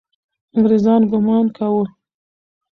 انګریزان ګمان کاوه.